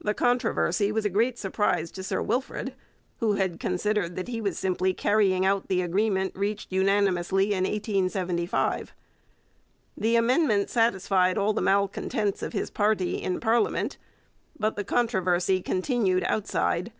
The controversy was a great surprise to Sir Wilfrid, who had considered that he was simply carrying out the agreement reached unanimously in 1875. The amendment satisfied all the malcontents of his party in parliament, but the controversy continued outside.